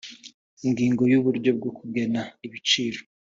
ingingo ya uburyo bwo kugena ibiciro